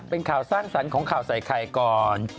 เป็นข่าวสร้างสรรค์ของข่าวใส่ไข่ก่อน